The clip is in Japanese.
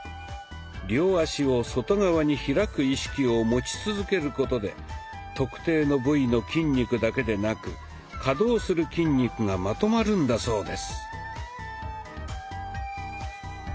両足を外側に開く意識を持ち続けることで特定の部位の筋肉だけでなく稼働する筋肉がまとまるんだそうです。